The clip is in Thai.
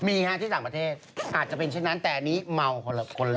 มีฮะที่ต่างประเทศอาจจะเป็นเช่นนั้นแต่อันนี้เมาคนละคนละ